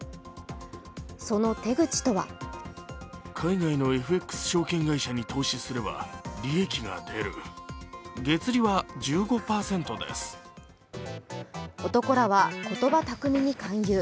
その手口とは男らは言葉巧みに勧誘。